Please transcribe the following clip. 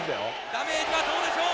ダメージはどうでしょう？